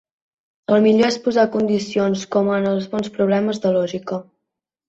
El millor és posar condicions, com en els bons problemes de lògica.